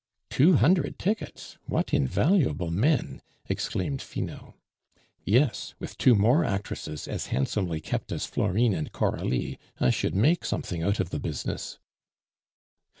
"Two hundred tickets! What invaluable men!" exclaimed Finot. "Yes. With two more actresses as handsomely kept as Florine and Coralie, I should make something out of the business."